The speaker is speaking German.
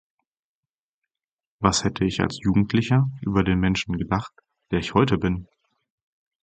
Was hätte ich als Jugendlicher über den Menschen gedacht, der ich heute bin?